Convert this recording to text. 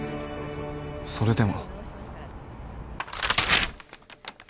それでも